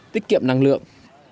tích kiệm năng lượng